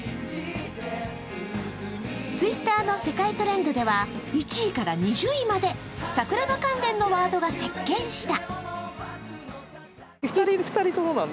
Ｔｗｉｔｔｅｒの世界トレンドでは１位から２０位まで櫻葉関連のワードが席巻した。